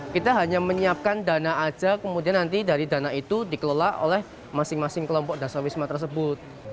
kita hanya menyiapkan dana aja kemudian nanti dari dana itu dikelola oleh masing masing kelompok dasar wisma tersebut